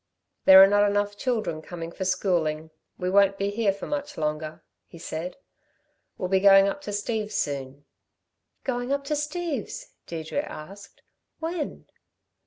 "There are not enough children coming for schooling. We won't be here for much longer," he said. "We'll be going up to Steve's soon." "Going up to Steve's?" Deirdre asked. "When?"